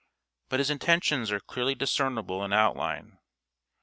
But his intentions are clearly discernible in outline.